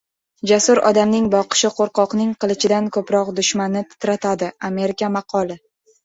Jasur odamning boqishi qo‘rqoqning qilichidan ko‘proq dushmanni titratadi. Amerika maqoli